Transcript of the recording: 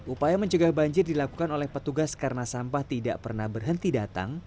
upaya mencegah banjir dilakukan oleh petugas karena sampah tidak pernah berhenti datang